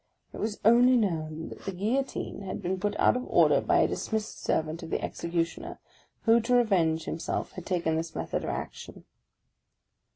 It was only known that the Guillotine had been put out of order by a dismissed servant of the Executioner, who, to revenge himself, had taken this method of action.